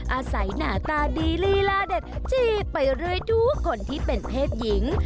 อาศัยหน้าตาดีลีลาเด็ดจีบไปเรื่อยทุกคนที่เป็นเพศหญิง